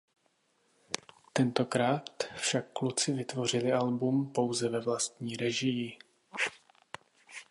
Tentokrát však kluci vytvořili album pouze ve vlastní režii.